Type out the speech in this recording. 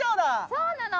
そうなの。